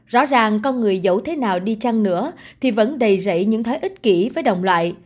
rõ ràng con người dẫu thế nào đi chăng nữa thì vẫn đầy rẫy những thói ích kỷ với đồng loại